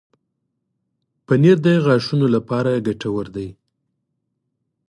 پنېر د غاښونو لپاره ګټور دی.